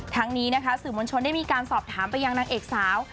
ทั้งนี้นะคะสื่อมวลชนได้มีการสอบถามไปยังนางเอกสาว